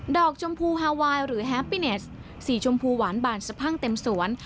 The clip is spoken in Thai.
ชมพูฮาไวน์หรือแฮปปี้เนสสีชมพูหวานบานสะพั่งเต็มสวน